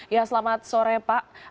ya selamat sore pak